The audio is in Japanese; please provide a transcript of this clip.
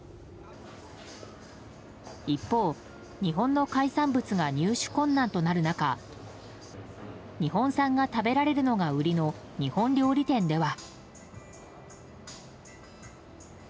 一方、日本の海産物が入手困難となる中日本産が食べられるのが売りの日本料理店では。